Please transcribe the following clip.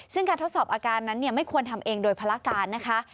ซึ่งการทดสอบอาการนั้นไม่ควรทำเองโดยภารการนะคะ